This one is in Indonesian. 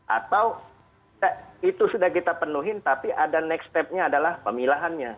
atau itu sudah kita penuhin tapi ada next step nya adalah pemilahannya